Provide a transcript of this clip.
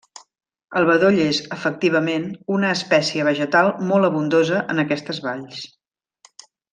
El bedoll és, efectivament, una espècie vegetal molt abundosa en aquestes valls.